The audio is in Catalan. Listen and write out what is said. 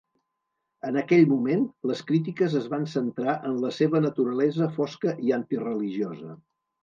En aquell moment, les crítiques es van centrar en la seva naturalesa fosca i antireligiosa.